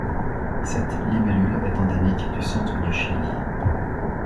Cette libellule est endémique du centre du Chili.